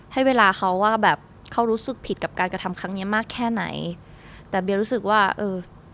ให้เวลาเขาว่าแบบเขารู้สึกผิดกับการกระทำครั้งเนี้ยมากแค่ไหนแต่เบียรู้สึกว่าเออ